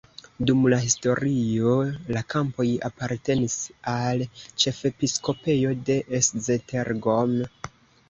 Dum la historio la kampoj apartenis al ĉefepiskopejo de Esztergom.